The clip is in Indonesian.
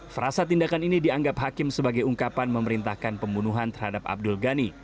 frasa tindakan ini dianggap hakim sebagai ungkapan memerintahkan pembunuhan terhadap abdul ghani